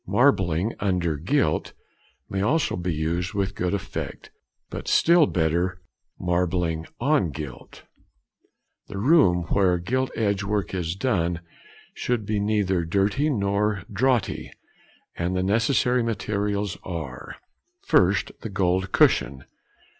"Marbling under gilt" may also be used with good effect; but still better "marbling on gilt." The room where gilt edge work is done should be neither dirty nor draughty, and the necessary materials are:— _1st. The Gold Cushion.